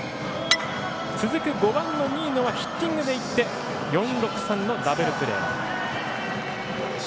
続く５番の新納はヒッティングでいってダブルプレー。